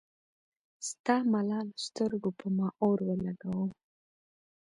ستا ملالو سترګو پۀ ما اور اولګوو